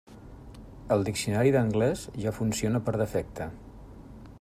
El diccionari d'anglès ja funciona per defecte.